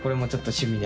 趣味で。